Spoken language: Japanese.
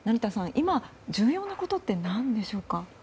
今、重要なことって何でしょうか？